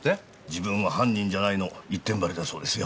「自分は犯人じゃない」の一点張りだそうですよ。